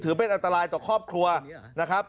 เป็นอันตรายต่อครอบครัวนะครับ